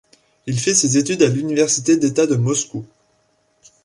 Il fait ses études à l'Université d'État de Moscou.